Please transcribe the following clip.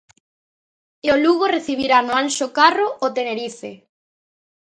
E o Lugo recibirá no Anxo Carro o Tenerife.